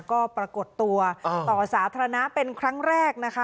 ก็ปรากฏตัวต่อสาธารณะเป็นครั้งแรกนะคะ